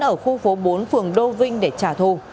ở khu phố bốn phường đô vinh để trả thù